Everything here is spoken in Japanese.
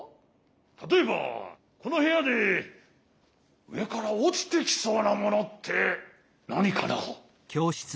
たとえばこのへやでうえからおちてきそうなものってなにかな？